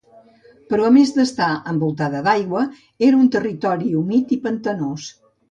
Però a més d'estar envoltada d'aigua era un territori humit i pantanós.